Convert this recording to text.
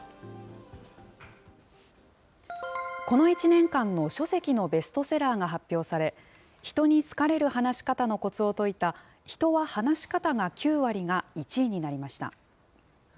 この１年間の書籍のベストセラーが発表され、人に好かれる話し方のこつを説いた、人は話し方が９割が１位になりました。